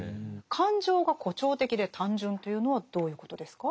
「感情が誇張的で単純」というのはどういうことですか？